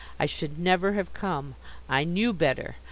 I should never have come. I knew better.